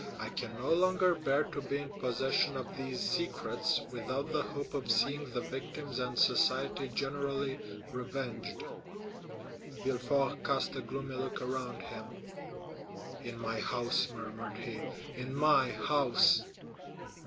I can no longer bear to be in possession of these secrets without the hope of seeing the victims and society generally revenged." Villefort cast a gloomy look around him. "In my house," murmured he, "in my house!"